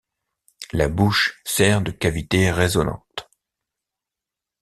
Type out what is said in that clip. La bouche sert de cavité résonante.